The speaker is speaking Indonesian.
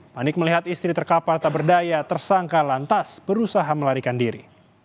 panik melihat istri terkapar tak berdaya tersangka lantas berusaha melarikan diri